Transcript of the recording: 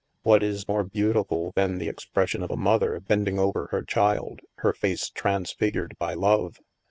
What is more beautiful than the expression of a mother bending over her child, her face transfigured by love